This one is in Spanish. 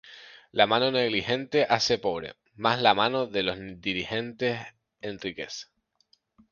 La mano negligente hace pobre: Mas la mano de los diligentes enriquece.